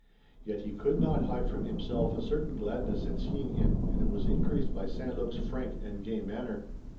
Yet he could not hide from himself a certain gladness at seeing him and it was increased by St. Luc's frank and gay manner.